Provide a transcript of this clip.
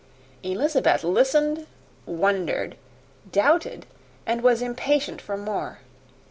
Elizabeth listened, wondered, doubted, and was impatient for more.